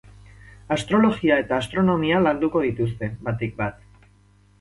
Astrologia eta astronomia landuko dituzte, batik bat.